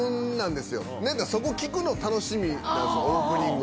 そこ聞くの楽しみなんすよオープニング。